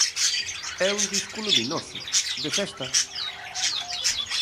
É un disco luminoso, de festa.